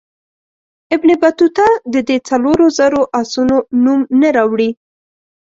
ابن بطوطه د دې څلورو زرو آسونو نوم نه راوړي.